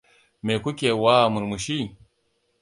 Me kuke wa murmushi?